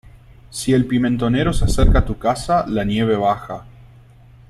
Si el pimentonero se acerca a tu casa, la nieve baja.